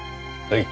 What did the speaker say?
はい。